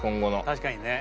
確かにね。